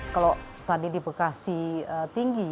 kalau tadi di bekasi tinggi